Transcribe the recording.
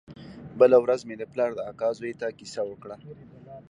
بله ورځ مې د پلار د اکا زوى ته کيسه وکړه.